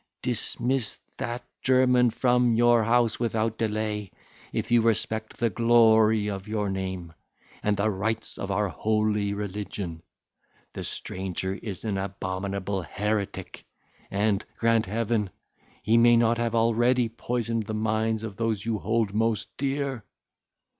Dismiss that German from your house without delay, if you respect the glory of your name, and the rights of our holy religion; the stranger is an abominable heretic; and, grant Heaven! he may not have already poisoned the minds of those you hold most dear."